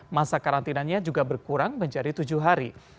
masa karantinanya juga berkurang menjadi tujuh hari